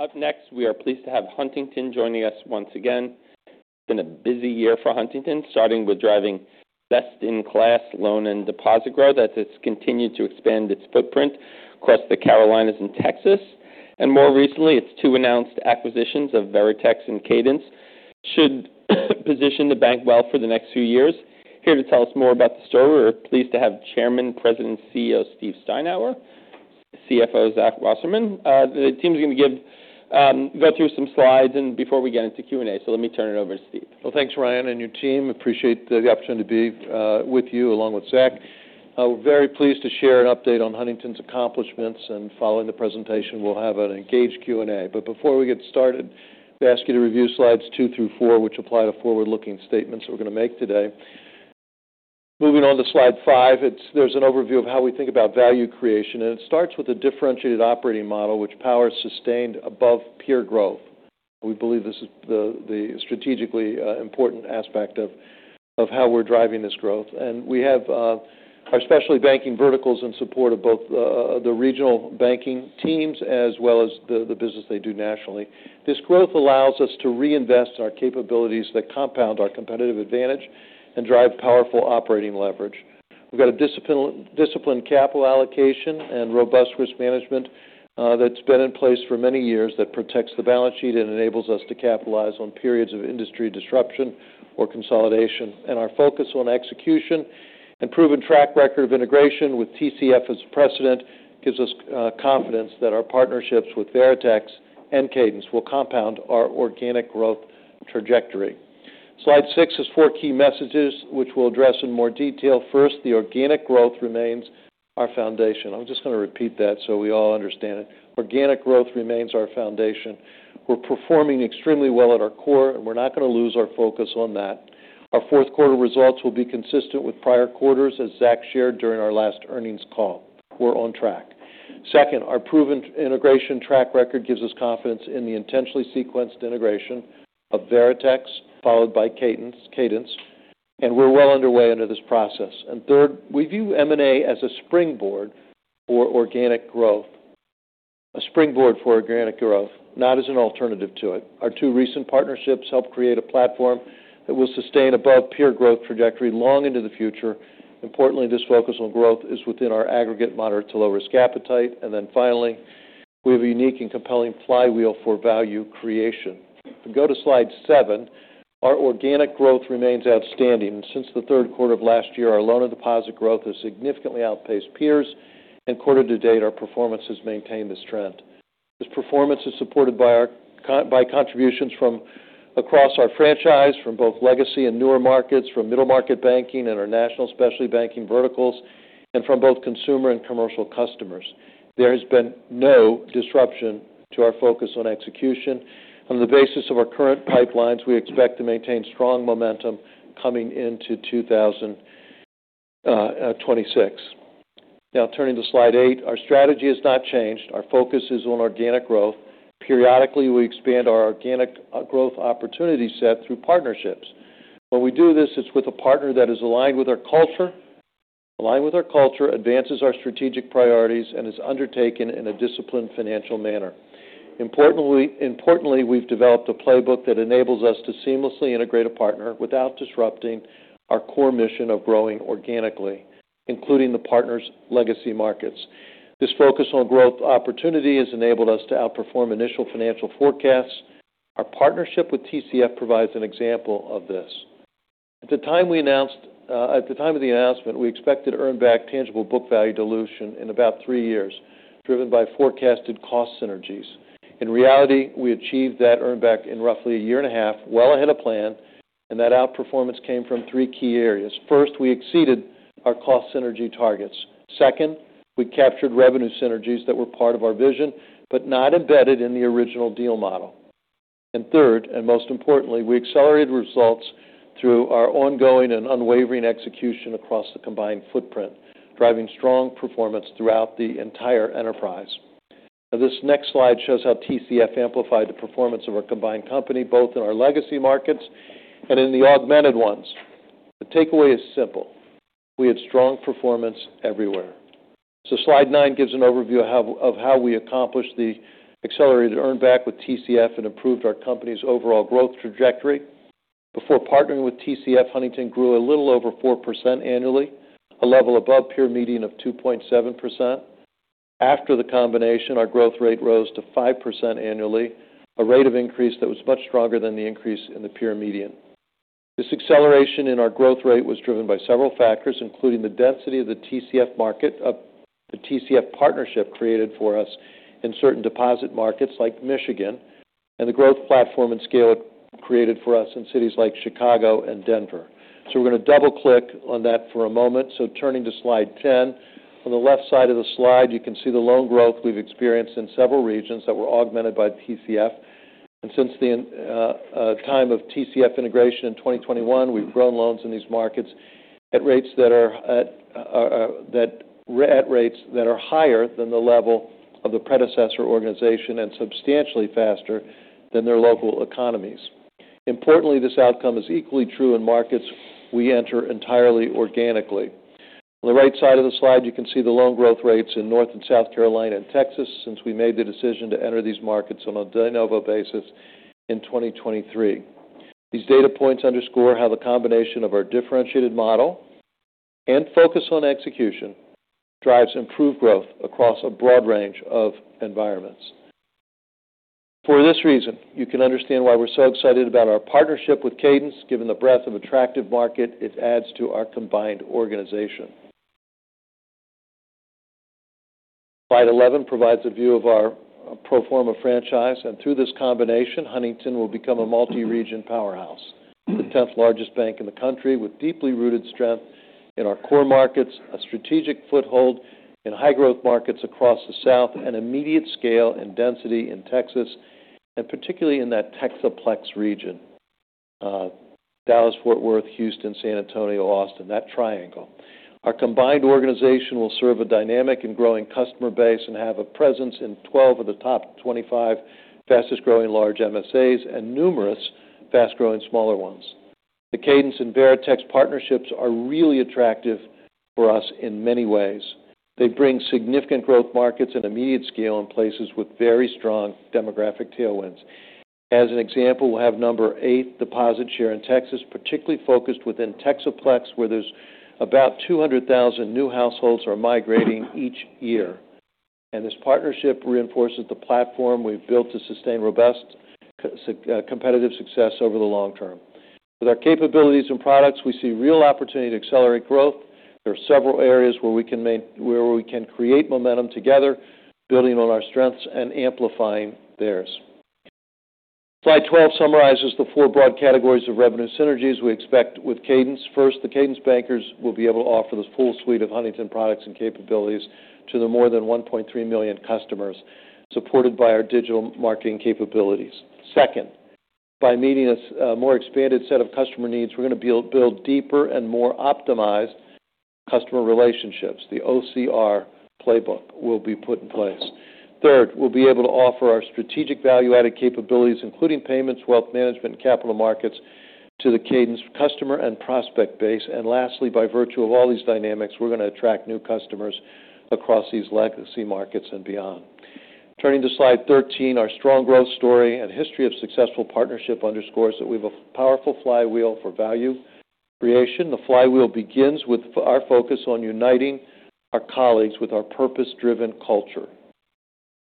Up next, we are pleased to have Huntington joining us once again. It's been a busy year for Huntington, starting with driving best-in-class loan and deposit growth as it's continued to expand its footprint across the Carolinas and Texas, and more recently, its two announced acquisitions of Veritex and Cadence should position the bank well for the next few years. Here to tell us more about the story, we're pleased to have Chairman, President, and CEO Steve Steinour, CFO Zach Wasserman. The team's going to go through some slides before we get into Q&A, so let me turn it over to Steve. Thanks, Ryan, and your team. Appreciate the opportunity to be with you along with Zach. We're very pleased to share an update on Huntington's accomplishments, and following the presentation, we'll have an engaged Q&A, but before we get started, I'd ask you to review slides 2 t 4, which apply to forward-looking statements we're going to make today. Moving on to slide 5, there's an overview of how we think about value creation, and it starts with a differentiated operating model which powers sustained above peer growth. We believe this is the strategically important aspect of how we're driving this growth, and we have our specialty banking verticals in support of both the regional banking teams as well as the business they do nationally. This growth allows us to reinvest in our capabilities that compound our competitive advantage and drive powerful operating leverage. We've got a disciplined capital allocation and robust risk management that's been in place for many years that protects the balance sheet and enables us to capitalize on periods of industry disruption or consolidation. And our focus on execution and proven track record of integration with TCF as a precedent gives us confidence that our partnerships with Veritex and Cadence will compound our organic growth trajectory. Slide 6 has four key messages which we'll address in more detail. First, the organic growth remains our foundation. I'm just going to repeat that so we all understand it. Organic growth remains our foundation. We're performing extremely well at our core, and we're not going to lose our focus on that. Our fourth quarter results will be consistent with prior quarters, as Zach shared during our last earnings call. We're on track. Second, our proven integration track record gives us confidence in the intentionally sequenced integration of Veritex followed by Cadence, and we're well underway under this process. And third, we view M&A as a springboard for organic growth, a springboard for organic growth, not as an alternative to it. Our two recent partnerships help create a platform that will sustain above peer growth trajectory long into the future. Importantly, this focus on growth is within our aggregate moderate to low-risk appetite. And then finally, we have a unique and compelling flywheel for value creation. If we go to slide 7, our organic growth remains outstanding. Since the third quarter of last year, our loan and deposit growth has significantly outpaced peers, and quarter to date, our performance has maintained this trend. This performance is supported by contributions from across our franchise, from both legacy and newer markets, from middle market banking and our national specialty banking verticals, and from both consumer and commercial customers. There has been no disruption to our focus on execution. On the basis of our current pipelines, we expect to maintain strong momentum coming into 2026. Now, turning to slide 8, our strategy has not changed. Our focus is on organic growth. Periodically, we expand our organic growth opportunity set through partnerships. When we do this, it's with a partner that is aligned with our culture, advances our strategic priorities, and is undertaken in a disciplined financial manner. Importantly, we've developed a playbook that enables us to seamlessly integrate a partner without disrupting our core mission of growing organically, including the partner's legacy markets. This focus on growth opportunity has enabled us to outperform initial financial forecasts. Our partnership with TCF provides an example of this. At the time of the announcement, we expected to earn back tangible book value dilution in about three years, driven by forecasted cost synergies. In reality, we achieved that earn back in roughly a year and a half, well ahead of plan, and that outperformance came from three key areas. First, we exceeded our cost synergy targets. Second, we captured revenue synergies that were part of our vision but not embedded in the original deal model. And third, and most importantly, we accelerated results through our ongoing and unwavering execution across the combined footprint, driving strong performance throughout the entire enterprise. Now, this next slide shows how TCF amplified the performance of our combined company, both in our legacy markets and in the augmented ones. The takeaway is simple: we had strong performance everywhere. So slide 9 gives an overview of how we accomplished the accelerated earn back with TCF and improved our company's overall growth trajectory. Before partnering with TCF, Huntington grew a little over 4% annually, a level above peer median of 2.7%. After the combination, our growth rate rose to 5% annually, a rate of increase that was much stronger than the increase in the peer median. This acceleration in our growth rate was driven by several factors, including the density of the TCF partnership created for us in certain deposit markets like Michigan and the growth platform and scale it created for us in cities like Chicago and Denver. We're going to double-click on that for a moment. So turning to slide 10, on the left side of the slide, you can see the loan growth we've experienced in several regions that were augmented by TCF. And since the time of TCF integration in 2021, we've grown loans in these markets at rates that are higher than the level of the predecessor organization and substantially faster than their local economies. Importantly, this outcome is equally true in markets we enter entirely organically. On the right side of the slide, you can see the loan growth rates in North and South Carolina and Texas since we made the decision to enter these markets on a de novo basis in 2023. These data points underscore how the combination of our differentiated model and focus on execution drives improved growth across a broad range of environments. For this reason, you can understand why we're so excited about our partnership with Cadence, given the breadth of attractive market it adds to our combined organization. Slide 11 provides a view of our pro forma franchise. And through this combination, Huntington will become a multi-region powerhouse, the 10th largest bank in the country with deeply rooted strength in our core markets, a strategic foothold in high-growth markets across the South, and immediate scale and density in Texas, and particularly in that Texaplex region: Dallas, Fort Worth, Houston, San Antonio, Austin, that triangle. Our combined organization will serve a dynamic and growing customer base and have a presence in 12 of the top 25 fastest-growing large MSAs and numerous fast-growing smaller ones. The Cadence and Veritex partnerships are really attractive for us in many ways. They bring significant growth markets and immediate scale in places with very strong demographic tailwinds. As an example, we'll have number eight deposit share in Texas, particularly focused within Texasplex, where there's about 200,000 new households migrating each year. And this partnership reinforces the platform we've built to sustain robust competitive success over the long term. With our capabilities and products, we see real opportunity to accelerate growth. There are several areas where we can create momentum together, building on our strengths and amplifying theirs. Slide 12 summarizes the four broad categories of revenue synergies we expect with Cadence. First, the Cadence bankers will be able to offer the full suite of Huntington products and capabilities to the more than 1.3 million customers, supported by our digital marketing capabilities. Second, by meeting a more expanded set of customer needs, we're going to build deeper and more optimized customer relationships. The OCR playbook will be put in place. Third, we'll be able to offer our strategic value-added capabilities, including payments, wealth management, and capital markets to the Cadence customer and prospect base. And lastly, by virtue of all these dynamics, we're going to attract new customers across these legacy markets and beyond. Turning to slide 13, our strong growth story and history of successful partnership underscores that we have a powerful flywheel for value creation. The flywheel begins with our focus on uniting our colleagues with our purpose-driven culture,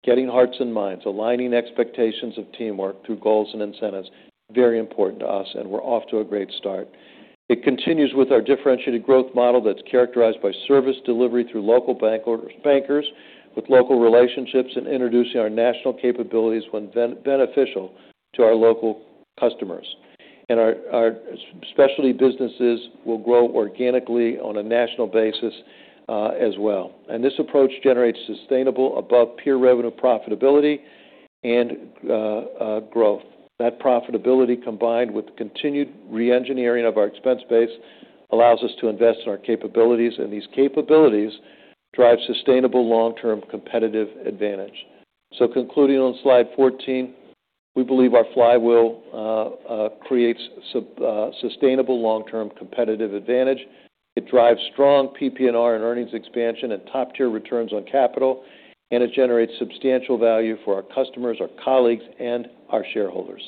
getting hearts and minds, aligning expectations of teamwork through goals and incentives. Very important to us, and we're off to a great start. It continues with our differentiated growth model that's characterized by service delivery through local bankers with local relationships and introducing our national capabilities when beneficial to our local customers. And our specialty businesses will grow organically on a national basis as well. And this approach generates sustainable above-peer revenue profitability and growth. That profitability, combined with continued re-engineering of our expense base, allows us to invest in our capabilities, and these capabilities drive sustainable long-term competitive advantage. Concluding on slide 14, we believe our flywheel creates sustainable long-term competitive advantage. It drives strong PPNR and earnings expansion and top-tier returns on capital, and it generates substantial value for our customers, our colleagues, and our shareholders.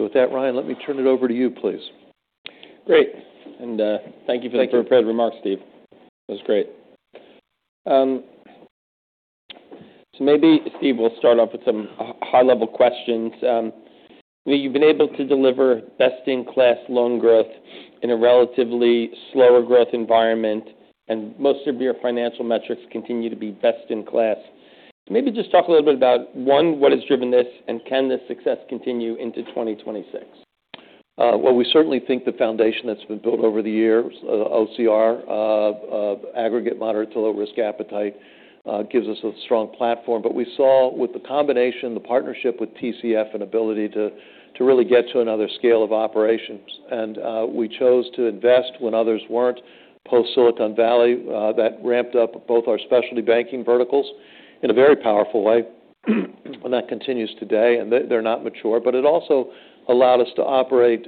With that, Ryan, let me turn it over to you, please. Great. And thank you for the prepared remarks, Steve. That was great. So maybe, Steve, we'll start off with some high-level questions. You've been able to deliver best-in-class loan growth in a relatively slower growth environment, and most of your financial metrics continue to be best-in-class. Maybe just talk a little bit about, one, what has driven this, and can this success continue into 2026? We certainly think the foundation that's been built over the years, OCR, aggregate moderate to low-risk appetite, gives us a strong platform. But we saw with the combination, the partnership with TCF, an ability to really get to another scale of operations. And we chose to invest when others weren't, post-Silicon Valley. That ramped up both our specialty banking verticals in a very powerful way, and that continues today. And they're not mature, but it also allowed us to operate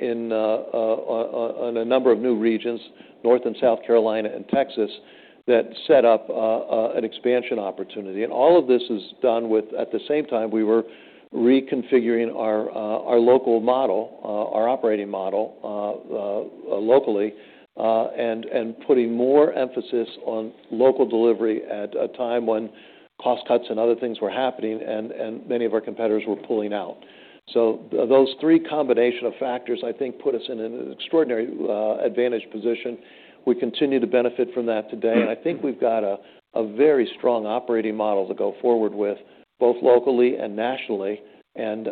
in a number of new regions, North Carolina and South Carolina and Texas, that set up an expansion opportunity. And all of this is done with, at the same time, we were reconfiguring our local model, our operating model locally, and putting more emphasis on local delivery at a time when cost cuts and other things were happening and many of our competitors were pulling out. So those three combination of factors, I think, put us in an extraordinary advantage position. We continue to benefit from that today. I think we've got a very strong operating model to go forward with both locally and nationally. And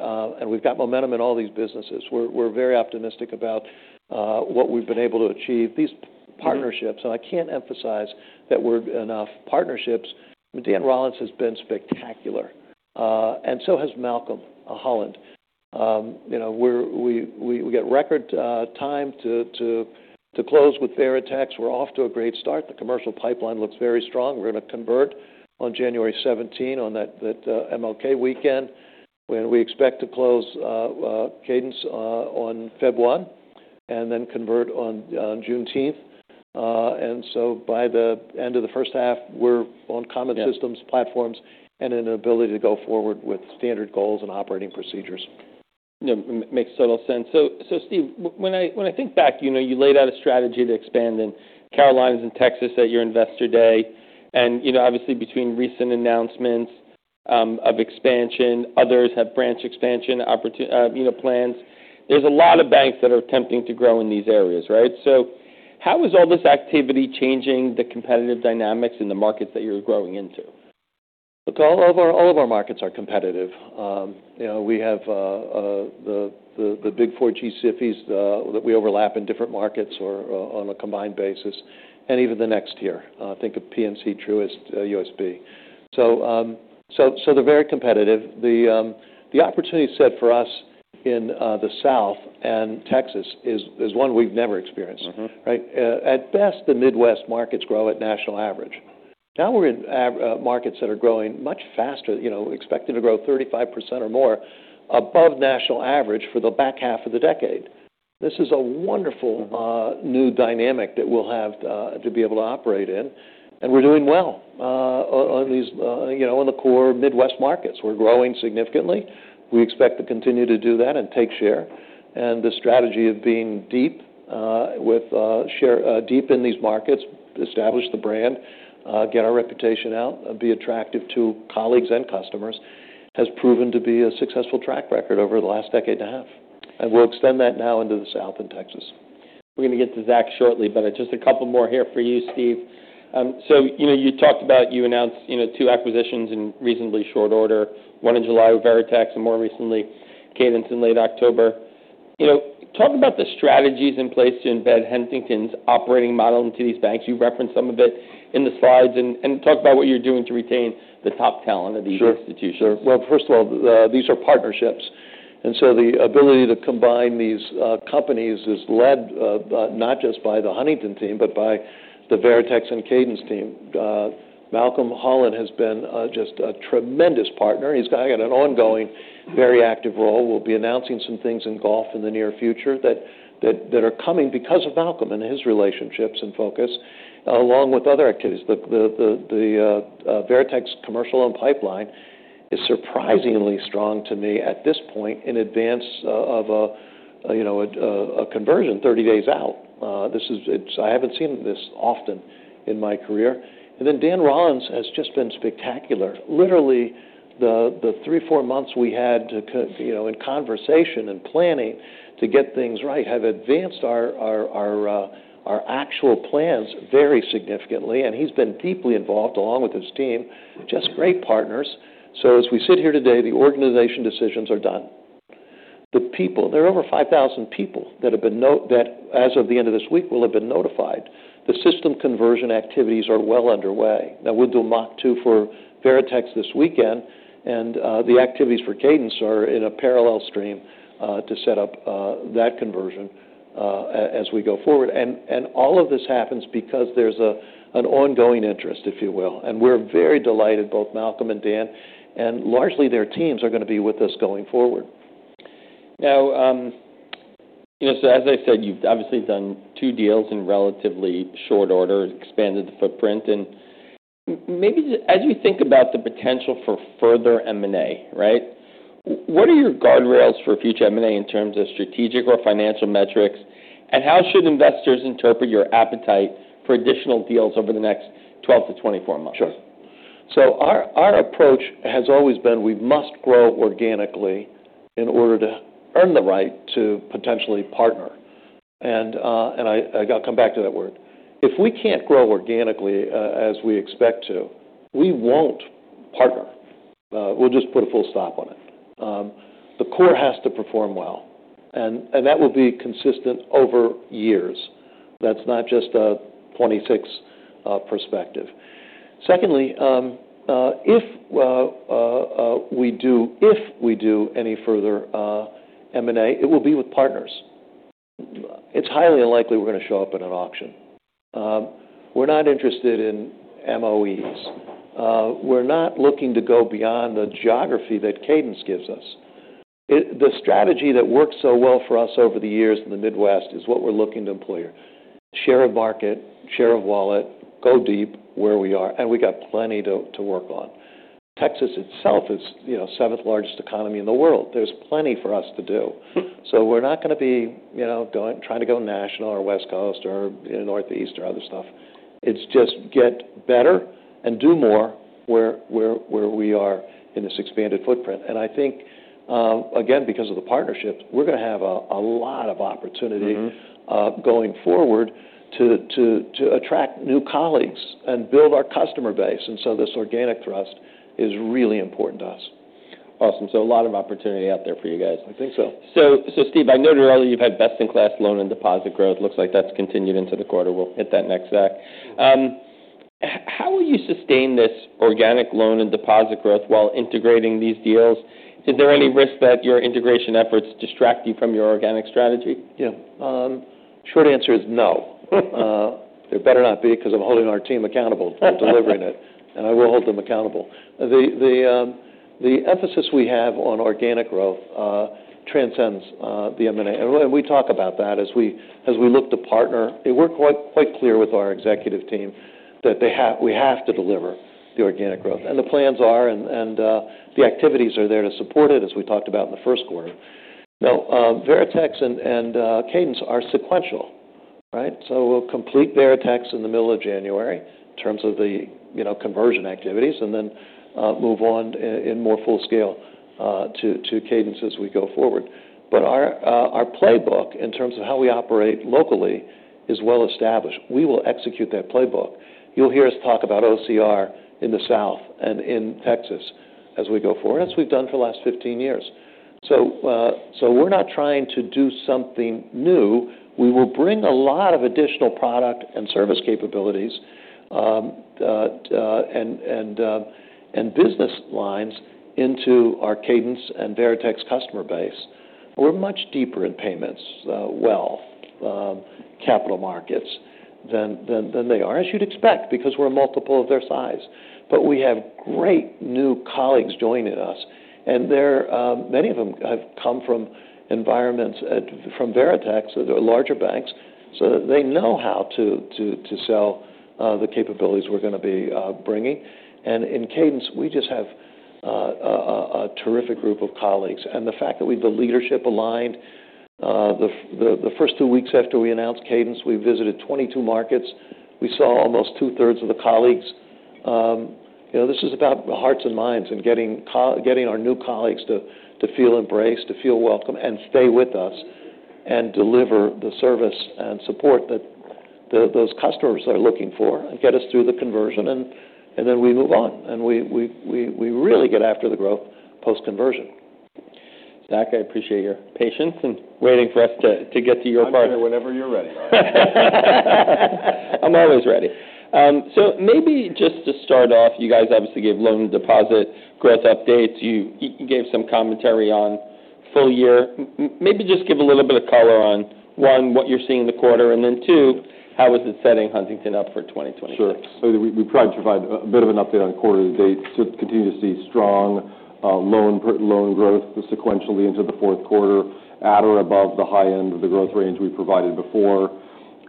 we've got momentum in all these businesses. We're very optimistic about what we've been able to achieve. These partnerships, and I can't emphasize that we're enough partnerships. Dan Rollins has been spectacular, and so has Malcolm Holland. We get record time to close with Veritex. We're off to a great start. The commercial pipeline looks very strong. We're going to convert on January 17 on that MLK weekend, and we expect to close Cadence on February 1 and then convert on Juneteenth. And so by the end of the first half, we're on common systems, platforms, and an ability to go forward with standard goals and operating procedures. Makes total sense. Steve, when I think back, you laid out a strategy to expand in Carolinas and Texas at your Investor Day. And obviously, between recent announcements of expansion, others have branch expansion plans. There's a lot of banks that are attempting to grow in these areas, right? How is all this activity changing the competitive dynamics in the markets that you're growing into? Look, all of our markets are competitive. We have the big four G-SIFIs that we overlap in different markets on a combined basis, and even the next tier. Think of PNC, Truist, USB. So they're very competitive. The opportunity set for us in the South and Texas is one we've never experienced, right? At best, the Midwest markets grow at national average. Now we're in markets that are growing much faster, expected to grow 35% or more above national average for the back half of the decade. This is a wonderful new dynamic that we'll have to be able to operate in. And we're doing well on these in the core Midwest markets. We're growing significantly. We expect to continue to do that and take share. And the strategy of being deep with share deep in these markets, establish the brand, get our reputation out, be attractive to colleagues and customers, has proven to be a successful track record over the last decade and a half. And we'll extend that now into the South and Texas. We're going to get to Zach shortly, but just a couple more here for you, Steve. So you talked about you announced two acquisitions in reasonably short order, one in July with Veritex and more recently Cadence in late October. Talk about the strategies in place to embed Huntington's operating model into these banks. You've referenced some of it in the slides, and talk about what you're doing to retain the top talent of these institutions. Sure. Well, first of all, these are partnerships. And so the ability to combine these companies is led not just by the Huntington team, but by the Veritex and Cadence team. Malcolm Holland has been just a tremendous partner. He's got an ongoing, very active role. We'll be announcing some things in golf in the near future that are coming because of Malcolm and his relationships and focus, along with other activities. The Veritex commercial loan pipeline is surprisingly strong to me at this point in advance of a conversion 30 days out. I haven't seen this often in my career. And then Dan Rollins has just been spectacular. Literally, the three, four months we had in conversation and planning to get things right have advanced our actual plans very significantly. And he's been deeply involved along with his team, just great partners. As we sit here today, the organizational decisions are done. The people, there are over 5,000 people that, as of the end of this week, will have been notified. The system conversion activities are well underway. Now we'll do a mock two for Veritex this weekend, and the activities for Cadence are in a parallel stream to set up that conversion as we go forward. And all of this happens because there's an ongoing interest, if you will. And we're very delighted, both Malcolm and Dan and largely their teams are going to be with us going forward. Now, as I said, you've obviously done two deals in relatively short order, expanded the footprint. And maybe as you think about the potential for further M&A, right, what are your guardrails for future M&A in terms of strategic or financial metrics? And how should investors interpret your appetite for additional deals over the next 12-24 months? Sure, so our approach has always been we must grow organically in order to earn the right to potentially partner, and I'll come back to that word. If we can't grow organically as we expect to, we won't partner. We'll just put a full stop on it. The core has to perform well, and that will be consistent over years. That's not just a 2026 perspective. Secondly, if we do any further M&A, it will be with partners. It's highly unlikely we're going to show up in an auction. We're not interested in MOEs. We're not looking to go beyond the geography that Cadence gives us. The strategy that worked so well for us over the years in the Midwest is what we're looking to employ: share of market, share of wallet, go deep where we are, and we got plenty to work on. Texas itself is the seventh largest economy in the world. There's plenty for us to do. We're not going to be trying to go national or West Coast or Northeast or other stuff. It's just get better and do more where we are in this expanded footprint. I think, again, because of the partnerships, we're going to have a lot of opportunity going forward to attract new colleagues and build our customer base. And so this organic growth is really important to us. Awesome. So a lot of opportunity out there for you guys. I think so. Steve, I noted earlier you've had best-in-class loan and deposit growth. Looks like that's continued into the quarter. We'll hit that next, Zach. How will you sustain this organic loan and deposit growth while integrating these deals? Is there any risk that your integration efforts distract you from your organic strategy? Yeah. Short answer is no. They're better not be because I'm holding our team accountable for delivering it, and I will hold them accountable. The emphasis we have on organic growth transcends the M&A, and we talk about that as we look to partner. We're quite clear with our executive team that we have to deliver the organic growth, and the plans are and the activities are there to support it, as we talked about in the first quarter. Now, Veritex and Cadence are sequential, right, so we'll complete Veritex in the middle of January in terms of the conversion activities and then move on in more full scale to Cadence as we go forward, but our playbook in terms of how we operate locally is well established. We will execute that playbook. You'll hear us talk about OCR in the South and in Texas as we go forward, as we've done for the last 15 years. So we're not trying to do something new. We will bring a lot of additional product and service capabilities and business lines into our Cadence and Veritex customer base. We're much deeper in payments, wealth, capital markets than they are, as you'd expect, because we're multiple of their size. But we have great new colleagues joining us. And many of them have come from environments from Veritex, larger banks, so they know how to sell the capabilities we're going to be bringing. And in Cadence, we just have a terrific group of colleagues. And the fact that we've the leadership aligned, the first two weeks after we announced Cadence, we visited 22 markets. We saw almost 2/3 of the colleagues. This is about hearts and minds and getting our new colleagues to feel embraced, to feel welcome, and stay with us and deliver the service and support that those customers are looking for and get us through the conversion. And then we move on. We really get after the growth post-conversion. Zach, I appreciate your patience and waiting for us to get to your part. I'll be there whenever you're ready. I'm always ready, so maybe just to start off, you guys obviously gave loan deposit growth updates. You gave some commentary on full year. Maybe just give a little bit of color on one, what you're seeing in the quarter, and then two, how is it setting Huntington up for 2026? Sure. We've tried to provide a bit of an update on quarterly dates. Continue to see strong loan growth sequentially into the fourth quarter, at or above the high end of the growth range we provided before.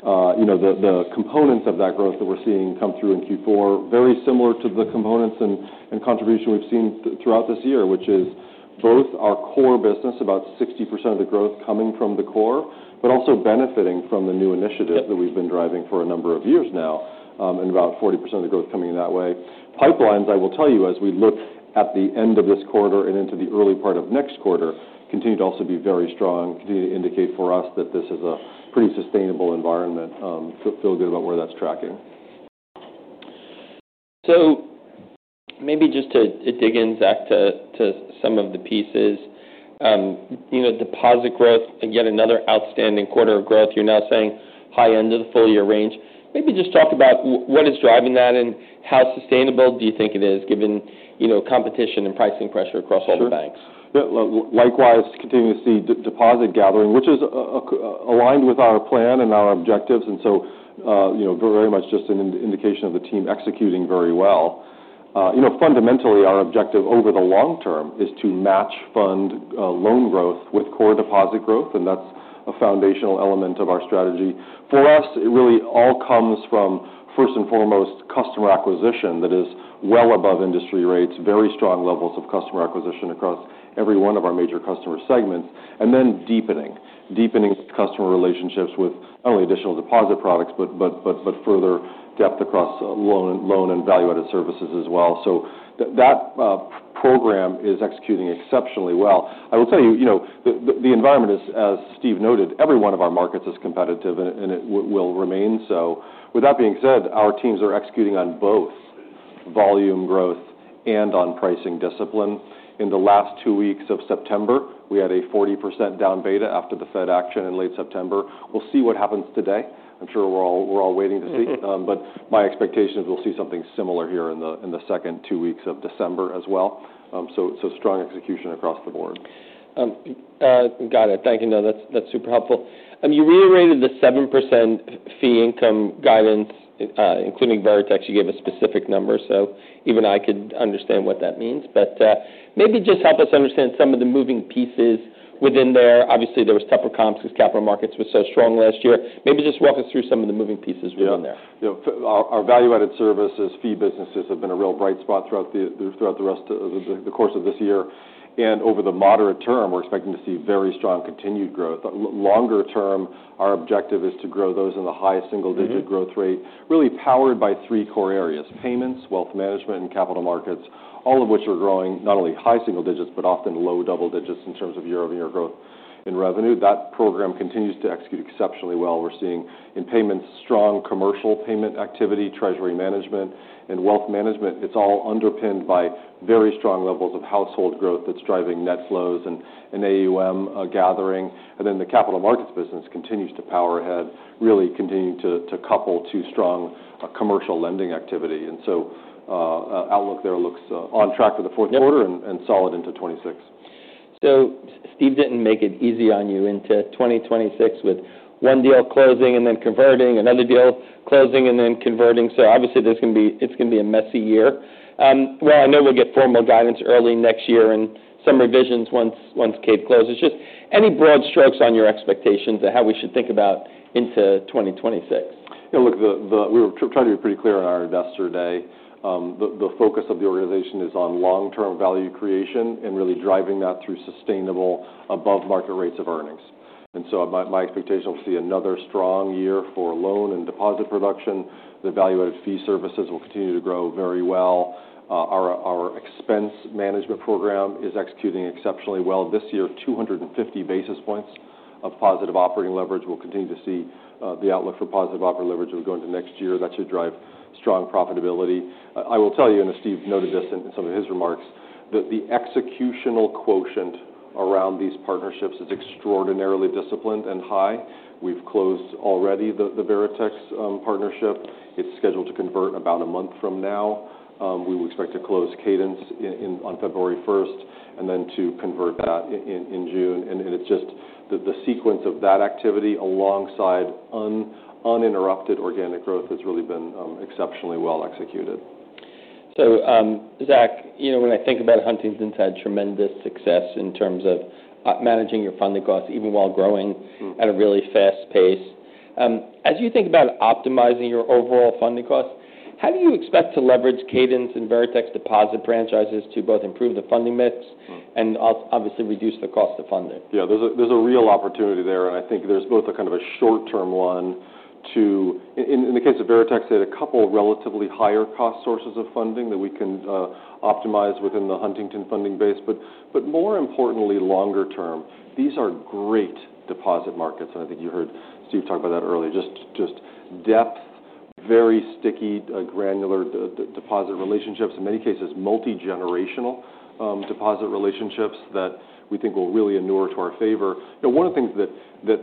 The components of that growth that we're seeing come through in Q4. Very similar to the components and contribution we've seen throughout this year, which is both our core business, about 60% of the growth coming from the core, but also benefiting from the new initiative that we've been driving for a number of years now, and about 40% of the growth coming in that way. Pipelines, I will tell you, as we look at the end of this quarter and into the early part of next quarter, continue to also be very strong, continue to indicate for us that this is a pretty sustainable environment. Feel good about where that's tracking. Maybe just to dig in, Zach, to some of the pieces, deposit growth, yet another outstanding quarter of growth, you're now saying high end of the full year range. Maybe just talk about what is driving that and how sustainable do you think it is, given competition and pricing pressure across all the banks? Sure. Likewise, continue to see deposit gathering, which is aligned with our plan and our objectives. And so very much just an indication of the team executing very well. Fundamentally, our objective over the long term is to match fund loan growth with core deposit growth. And that's a foundational element of our strategy. For us, it really all comes from, first and foremost, customer acquisition that is well above industry rates, very strong levels of customer acquisition across every one of our major customer segments, and then deepening, deepening customer relationships with not only additional deposit products, but further depth across loan and value-added services as well. So that program is executing exceptionally well. I will tell you, the environment is, as Steve noted, every one of our markets is competitive and it will remain so. With that being said, our teams are executing on both volume growth and on pricing discipline. In the last two weeks of September, we had a 40% down beta after the Fed action in late September. We'll see what happens today. I'm sure we're all waiting to see. But my expectation is we'll see something similar here in the second two weeks of December as well. So strong execution across the board. Got it. Thank you. No, that's super helpful. You reiterated the 7% fee income guidance, including Veritex. You gave a specific number, so even I could understand what that means. But maybe just help us understand some of the moving pieces within there. Obviously, there was tougher comps because capital markets were so strong last year. Maybe just walk us through some of the moving pieces within there. Yeah. Our value-added services, fee businesses have been a real bright spot throughout the rest of the course of this year, and over the moderate term, we're expecting to see very strong continued growth. Longer term, our objective is to grow those in the high single-digit growth rate, really powered by three core areas: payments, wealth management, and capital markets, all of which are growing not only high single digits, but often low double digits in terms of year-over-year growth in revenue. That program continues to execute exceptionally well. We're seeing in payments, strong commercial payment activity, treasury management, and wealth management. It's all underpinned by very strong levels of household growth that's driving net flows and AUM gathering, and then the capital markets business continues to power ahead, really continuing to couple to strong commercial lending activity. Outlook there looks on track for the fourth quarter and solid into 2026. Steve, didn't make it easy on you into 2026 with one deal closing and then converting, another deal closing and then converting. So obviously, it's going to be a messy year. Well, I know we'll get formal guidance early next year and some revisions once Cadence closes. Just any broad strokes on your expectations and how we should think about into 2026? Look, we were trying to be pretty clear on our Investor Day. The focus of the organization is on long-term value creation and really driving that through sustainable above-market rates of earnings, and so my expectation will see another strong year for loan and deposit production. The value-added fee services will continue to grow very well. Our expense management program is executing exceptionally well. This year, 250 basis points of positive operating leverage. We'll continue to see the outlook for positive operating leverage going into next year. That should drive strong profitability. I will tell you, and Steve noted this in some of his remarks, that the executional quotient around these partnerships is extraordinarily disciplined and high. We've closed already the Veritex partnership. It's scheduled to convert about a month from now. We would expect to close Cadence on February 1st and then to convert that in June. It's just the sequence of that activity alongside uninterrupted organic growth has really been exceptionally well executed. Zach, when I think about Huntington has had tremendous success in terms of managing your funding costs even while growing at a really fast pace. As you think about optimizing your overall funding costs, how do you expect to leverage Cadence and Veritex deposit franchises to both improve the funding mix and obviously reduce the cost of funding? Yeah. There's a real opportunity there. And I think there's both a kind of a short-term one to, in the case of Veritex, they had a couple of relatively higher cost sources of funding that we can optimize within the Huntington funding base. But more importantly, longer term, these are great deposit markets. I think you heard Steve talk about that earlier. Just depth, very sticky, granular deposit relationships, in many cases, multi-generational deposit relationships that we think will really inure to our favor. One of the things that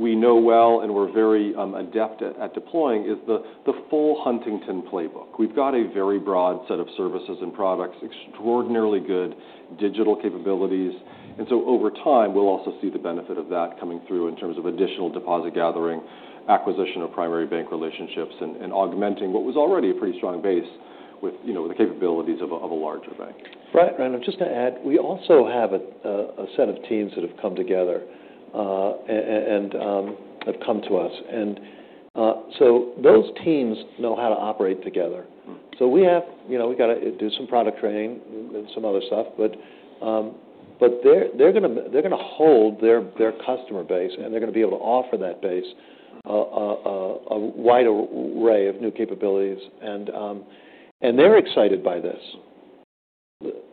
we know well and we're very adept at deploying is the full Huntington playbook. We've got a very broad set of services and products, extraordinarily good digital capabilities. And so over time, we'll also see the benefit of that coming through in terms of additional deposit gathering, acquisition of primary bank relationships, and augmenting what was already a pretty strong base with the capabilities of a larger bank. Right. And I'm just going to add, we also have a set of teams that have come together and have come to us. And so those teams know how to operate together. We've got to do some product training and some other stuff. But they're going to hold their customer base, and they're going to be able to offer that base a wide array of new capabilities. And they're excited by this.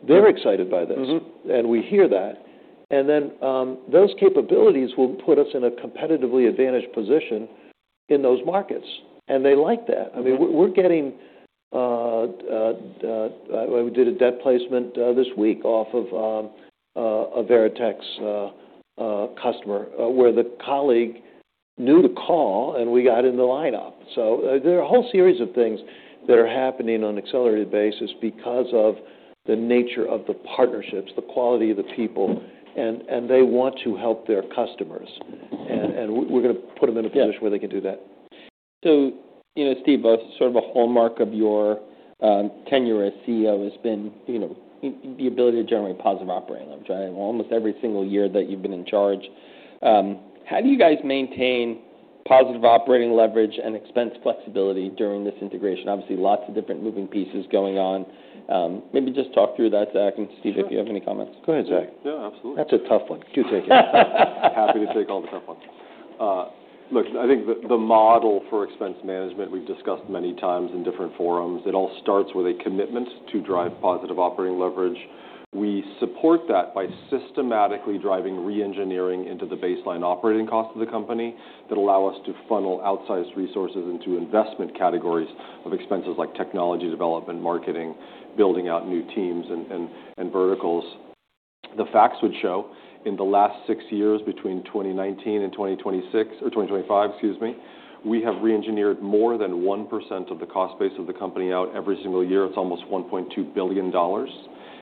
They're excited by this. And we hear that. And then those capabilities will put us in a competitively advantaged position in those markets. And they like that. I mean, we're getting. We did a debt placement this week off of a Veritex customer where the colleague knew the call, and we got in the lineup. There are a whole series of things that are happening on an accelerated basis because of the nature of the partnerships, the quality of the people. And they want to help their customers. And we're going to put them in a position where they can do that. Steve, sort of a hallmark of your tenure as CEO has been the ability to generate positive operating leverage almost every single year that you've been in charge. How do you guys maintain positive operating leverage and expense flexibility during this integration? Obviously, lots of different moving pieces going on. Maybe just talk through that, Zach, and Steve if you have any comments. Go ahead, Zach. Yeah, absolutely. That's a tough one. You take it. Happy to take all the tough ones. Look, I think the model for expense management we've discussed many times in different forums. It all starts with a commitment to drive positive operating leverage. We support that by systematically driving re-engineering into the baseline operating costs of the company that allow us to funnel outsized resources into investment categories of expenses like technology development, marketing, building out new teams, and verticals. The facts would show in the last six years between 2019 and 2025, excuse me, we have re-engineered more than 1% of the cost base of the company out every single year. It's almost $1.2 billion.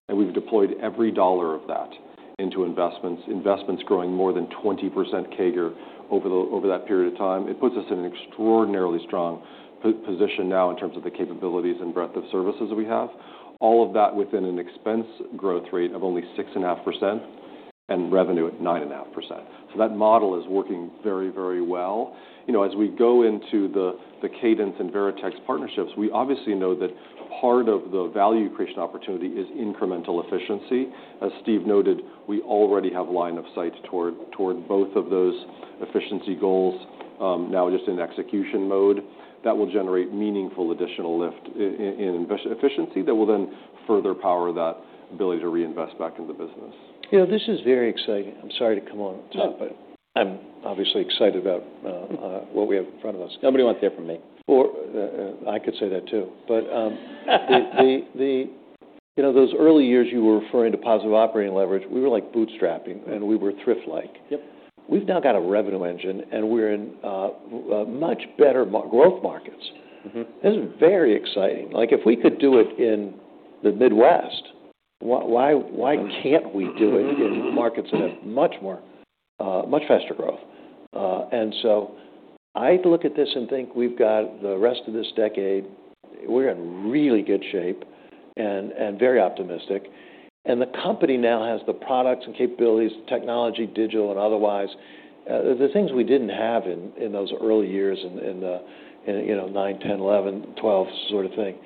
And we've deployed every dollar of that into investments, investments growing more than 20% CAGR over that period of time. It puts us in an extraordinarily strong position now in terms of the capabilities and breadth of services that we have. All of that within an expense growth rate of only 6.5% and revenue at 9.5%. So that model is working very, very well. As we go into the Cadence and Veritex partnerships, we obviously know that part of the value creation opportunity is incremental efficiency. As Steve noted, we already have a line of sight toward both of those efficiency goals now just in execution mode. That will generate meaningful additional lift in efficiency that will then further power that ability to reinvest back into the business. Yeah. This is very exciting. I'm sorry to come on top, but I'm obviously excited about what we have in front of us. Nobody wants to hear from me. Well, I could say that too. But those early years you were referring to positive operating leverage, we were like bootstrapping, and we were thrift-like. We've now got a revenue engine, and we're in much better growth markets. This is very exciting. If we could do it in the Midwest, why can't we do it in markets that have much faster growth? I look at this and think we've got the rest of this decade. We're in really good shape and very optimistic. And the company now has the products and capabilities, technology, digital, and otherwise, the things we didn't have in those early years in 2009, 2010, 2011, 2012 sort of thing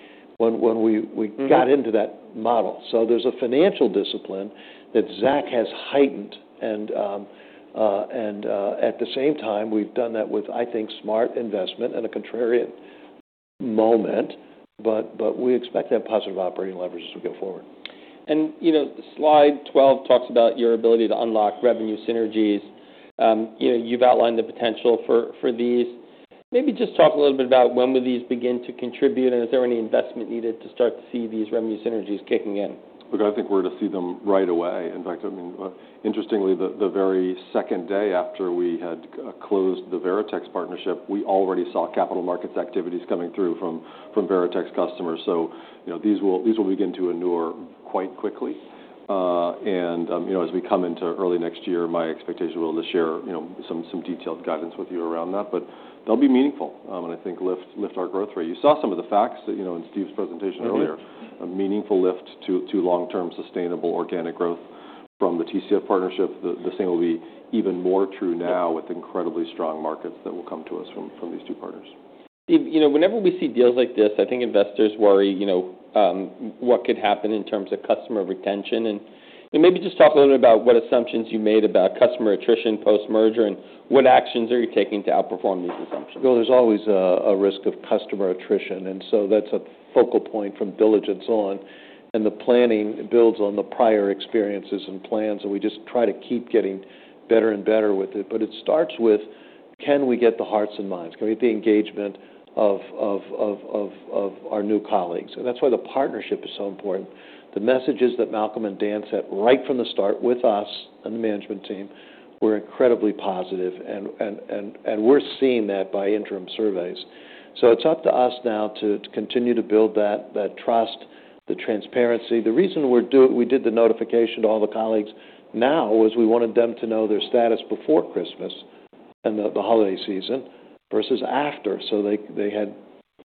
when we got into that model. There's a financial discipline that Zach has heightened. And at the same time, we've done that with, I think, smart investment and a contrarian moment. But we expect that positive operating leverage as we go forward. Slide 12 talks about your ability to unlock revenue synergies. You've outlined the potential for these. Maybe just talk a little bit about when will these begin to contribute, and is there any investment needed to start to see these revenue synergies kicking in? Look, I think we're going to see them right away. In fact, interestingly, the very second day after we had closed the Veritex partnership, we already saw capital markets activities coming through from Veritex customers, so these will begin to inure quite quickly, and as we come into early next year, my expectation will share some detailed guidance with you around that, but they'll be meaningful, and I think lift our growth rate. You saw some of the facts in Steve's presentation earlier. A meaningful lift to long-term sustainable organic growth from the TCF partnership. The same will be even more true now with incredibly strong markets that will come to us from these two partners. Steve, whenever we see deals like this, I think investors worry what could happen in terms of customer retention. Maybe just talk a little bit about what assumptions you made about customer attrition post-merger and what actions are you taking to outperform these assumptions? Well, there's always a risk of customer attrition. And so that's a focal point from diligence on. And the planning builds on the prior experiences and plans. And we just try to keep getting better and better with it. But it starts with, can we get the hearts and minds? Can we get the engagement of our new colleagues? And that's why the partnership is so important. The messages that Malcolm and Dan sent right from the start with us and the management team were incredibly positive. And we're seeing that by interim surveys. So it's up to us now to continue to build that trust, the transparency. The reason we did the notification to all the colleagues now was we wanted them to know their status before Christmas and the holiday season versus after. They had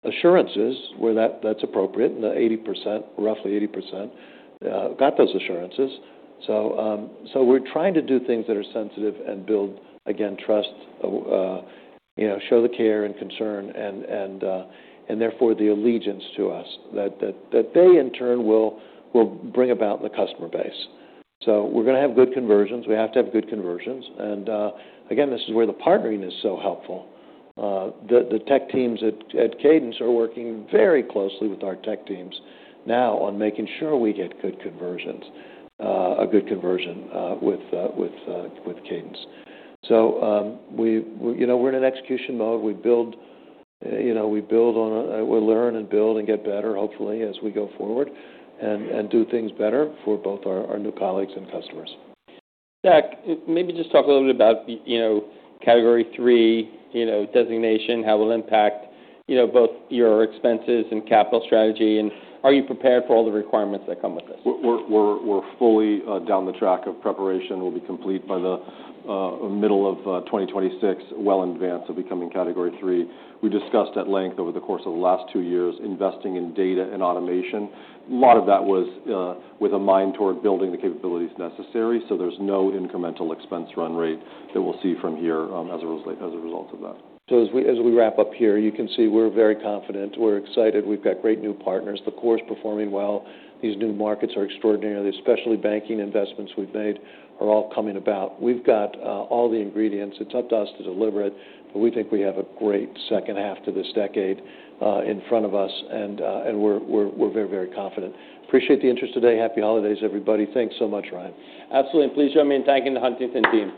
assurances where that's appropriate, and 80%, roughly 80%, got those assurances. We're trying to do things that are sensitive and build, again, trust, show the care and concern, and therefore the allegiance to us that they, in turn, will bring about the customer base. We're going to have good conversions. We have to have good conversions. And again, this is where the partnering is so helpful. The tech teams at Cadence are working very closely with our tech teams now on making sure we get good conversions, a good conversion with Cadence. We're in an execution mode. We'll learn and build and get better, hopefully, as we go forward and do things better for both our new colleagues and customers. Zach, maybe just talk a little bit about Category III designation, how it will impact both your expenses and capital strategy, and are you prepared for all the requirements that come with this? We're fully down the track of preparation. We'll be complete by the middle of 2026, well in advance of becoming Category III. We discussed at length over the course of the last two years investing in data and automation. A lot of that was with a mind toward building the capabilities necessary. There's no incremental expense run rate that we'll see from here as a result of that. As we wrap up here, you can see we're very confident. We're excited. We've got great new partners. The core is performing well. These new markets are extraordinary. The specialty banking investments we've made are all coming about. We've got all the ingredients. It's up to us to deliver it. But we think we have a great second half to this decade in front of us. And we're very, very confident. Appreciate the interest today. Happy holidays, everybody. Thanks so much, Ryan. Absolutely. And please join me in thanking the Huntington team.